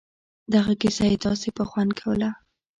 دغه کيسه يې داسې په خوند کوله.